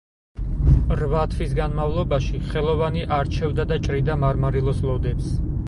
რვა თვის განმავლობაში ხელოვანი არჩევდა და ჭრიდა მარმარილოს ლოდებს.